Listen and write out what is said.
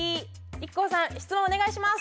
ＩＫＫＯさん質問お願いします！